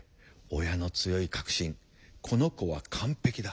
親の強い確信「この子は完璧だ」。